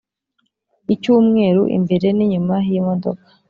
icy’umweru imbere n’inyuma h’imodoka